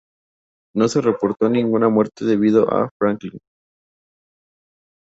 No se reportó ninguna muerte debido a Franklin.